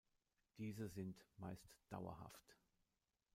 Diese sind meist dauerhaft.